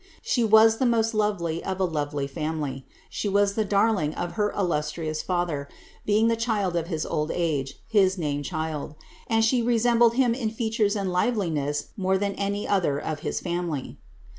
She was the most lovely of a lovely family ; she was the darling of her illustrious father, being the child of his old age, his name child ; and she resembled him in features and liveliness more than any other of his family.